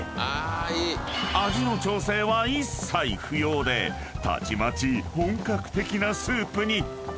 ［味の調整は一切不要でたちまち本格的なスープに］